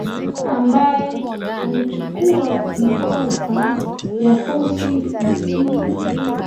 ambaye amechukua mikoba ya hosee bisir